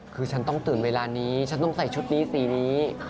คือฉันต้องตื่นเวลานี้ฉันต้องใส่ชุดนี้สีนี้